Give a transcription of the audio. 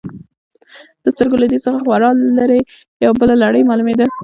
د سترګو له دید څخه خورا لرې، یوه بله لړۍ معلومېده.